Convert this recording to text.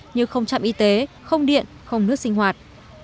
như không trạm y tế không điện không nước sinh hoạt